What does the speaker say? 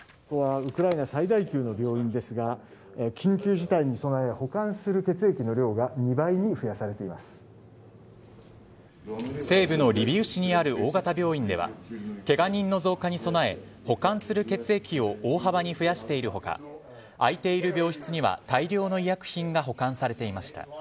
ここはウクライナ最大級の病院ですが緊急事態に備え保管する血液の量が西部のリビウ市にある大型病院ではケガ人の増加に備え保管する血液を大幅に増やしている他空いている病室には大量の医薬品が保管されていました。